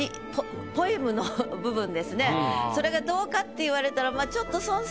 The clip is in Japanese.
それがどうか？って言われたらちょっと。